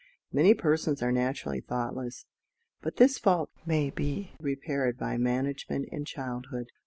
Many persons are naturally thoughtless, but this fault may be repaired by management in childhood.